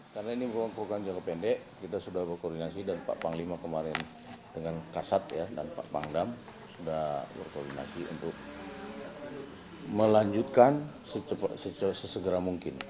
karena ini merupakan jangka pendek kita sudah berkoordinasi dengan pak panglima kemarin dengan kasat dan pak pangdam sudah berkoordinasi untuk melanjutkan sesegera mungkin